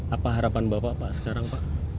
apa harapan bapak pak sekarang pak